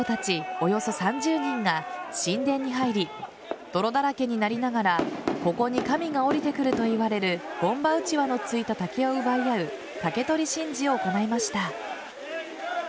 およそ３０人が神田に入り泥だらけになりながらここに神が降りてくるといわれるゴンバウチワのついた竹を奪い合う竹取神事を行いました。